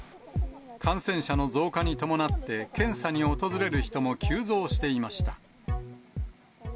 感染者の増加に伴って、検査に訪れる人も急増していました。